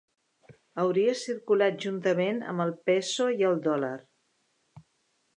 Hauria circulat juntament amb el peso i el dòlar.